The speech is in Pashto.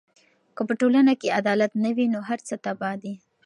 که په ټولنه کې عدالت نه وي، نو هر څه تباه دي.